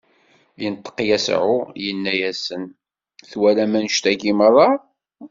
Inṭeq Yasuɛ, inna-asen: Twalam annect-agi meṛṛa?